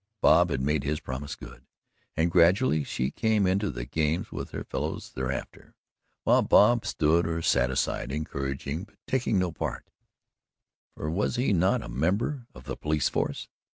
Bob had made his promise good and gradually she came into the games with her fellows there after, while Bob stood or sat aside, encouraging but taking no part for was he not a member of the Police Force?